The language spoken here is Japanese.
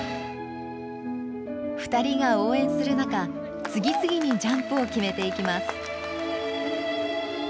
２人が応援する中次々にジャンプを決めていきます。